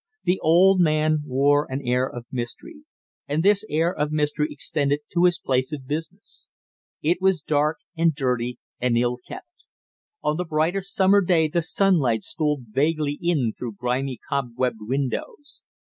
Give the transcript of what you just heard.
The old man wore an air of mystery, and this air of mystery extended to his place of business. It was dark and dirty and ill kept. On the brightest summer day the sunlight stole vaguely in through grimy cobwebbed windows.